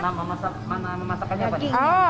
nama masakannya apa